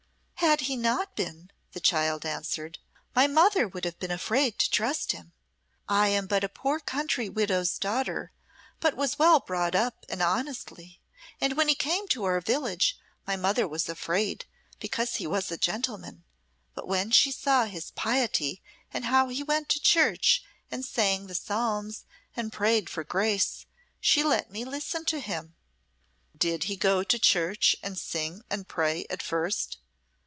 "Had he not been," the child answered, "my mother would have been afraid to trust him. I am but a poor country widow's daughter, but was well brought up, and honestly and when he came to our village my mother was afraid, because he was a gentleman; but when she saw his piety, and how he went to church and sang the psalms and prayed for grace, she let me listen to him." "Did he go to church and sing and pray at first?"